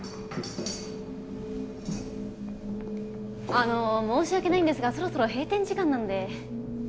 あの申し訳ないんですがそろそろ閉店時間なんで。